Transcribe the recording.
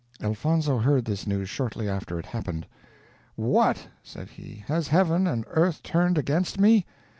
Elfonzo heard this news shortly after it happened. "What," said he, "has heaven and earth turned against me?